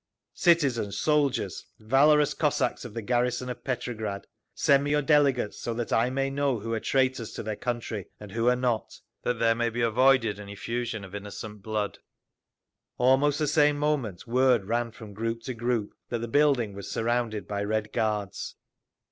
Citizens, soldiers, valorous Cossacks of the garrison of Petrograd; send me your delegates so that I may know who are traitors to their country and who are not, that there may be avoided an effusion of innocent blood. Almost the same moment word ran from group to group that the building was surrounded by Red Guards.